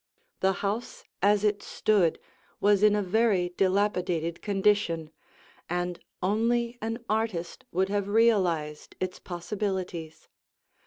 The house as it stood was in a very dilapidated condition, and only an artist would have realized its possibilities.